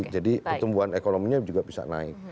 jadi pertumbuhan ekonominya juga bisa naik